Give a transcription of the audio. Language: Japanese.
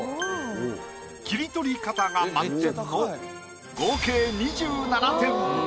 切り取り方が満点の合計２７点。